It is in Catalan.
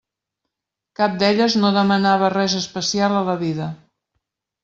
Cap d'elles no demanava res especial a la vida.